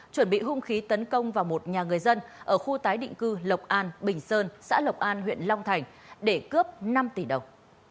chuẩn bị hung khí tấn công vào một nhà người dân ở khu tái định cư lộc an bình sơn xã lộc an huyện long thành để cướp năm tỷ đồng